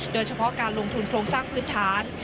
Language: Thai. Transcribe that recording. โดยเฉพาะการลงทุนโครงสร้างพื้นฐาน